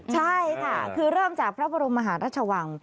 ใช่ค่ะคือเริ่มจากพระบรมมหาราชวัง